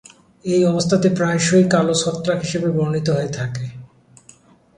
এই অবস্থা প্রায়শই কালো ছত্রাক হিসেবে বর্ণিত হয়ে থাকে।